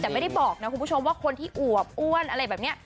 แต่ไม่ได้บอกนะคุณผู้ชมว่าคนที่อวบอ้วนอะไรแบบนี้